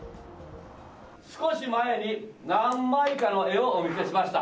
少し前に、何枚かの絵をお見せしました。